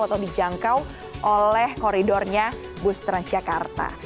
atau dijangkau oleh koridornya bus transjakarta